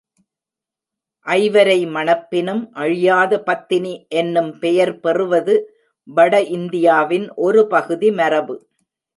ஐவரை மணப்பினும் அழியாத பத்தினி என்னும் பெயர் பெறுவது வட இந்தியாவின் ஒரு பகுதி மரபு.